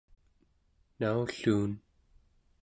naulluun